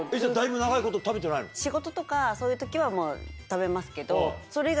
・仕事とかそういう時は食べますけどそれ以外。